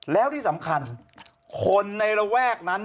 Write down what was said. แล้วที่สำคัญคนในระแวกนั้น